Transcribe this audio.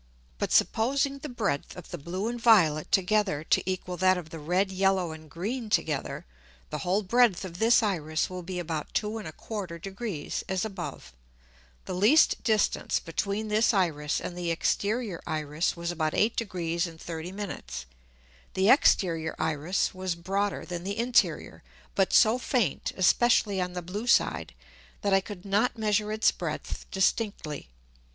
But supposing the breadth of the blue and violet together to equal that of the red, yellow and green together, the whole breadth of this Iris will be about 2 1/4 Degrees, as above. The least distance between this Iris and the exterior Iris was about 8 Degrees and 30 Minutes. The exterior Iris was broader than the interior, but so faint, especially on the blue side, that I could not measure its breadth distinctly.